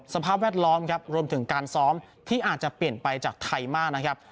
แวดล้อมครับรวมถึงการซ้อมที่อาจจะเปลี่ยนไปจากไทยมากนะครับ